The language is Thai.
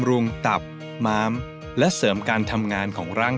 โลกรัมละ๒๐บาทคงร้อยนะครับผม